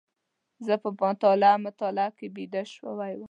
زه په مطالعه مطالعه کې بيده شوی وم.